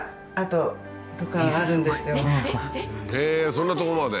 そんなとこまで？